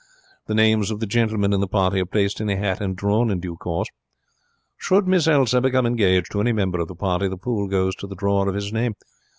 The names of the gentlemen in the party are placed in a hat and drawn in due course. Should Miss Elsa become engaged to any member of the party, the pool goes to the drawer of his name.